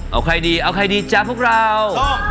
เอาใครดีเอาใครดีจ๊ะพวกเรา